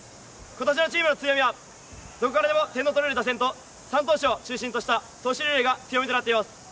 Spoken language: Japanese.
今年のチームの強みはどこからでも点の取れる打線と３投手を中心とした投手リレーが強みとなっています。